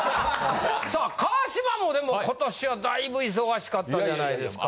さあ川島もでも今年はだいぶ忙しかったんじゃないですか？